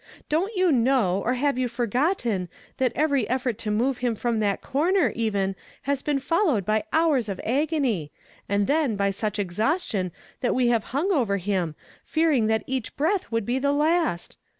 Don't you know, or have you forgotten, that every effort to move him from that corner, even, has been followed by hours of agony, and then by such exliaustion that we have hung over him, fearing that each breath would be the last